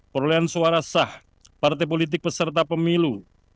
perolian suara sah parti politik peserta pemilu